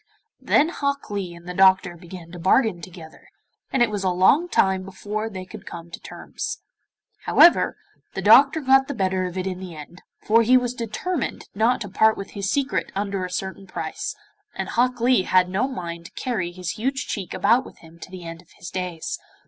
Then Hok Lee and the doctor began to bargain together, and it was a long time before they could come to terms. However, the doctor got the better of it in the end, for he was determined not to part with his secret under a certain price, and Hok Lee had no mind to carry his huge cheek about with him to the end of his days.